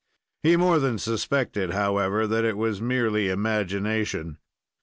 He more than suspected, however, that it was merely imagination.